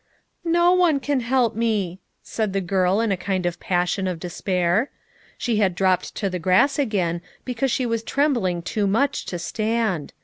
"No one can help me," said the girl in a kind of passion of despair. She had dropped to the grass again because she was trembling too much to stand.